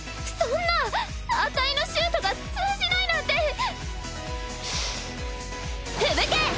そんなあたいのシュートが通じないなんて。